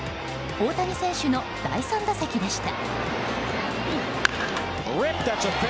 大谷選手の第３打席でした。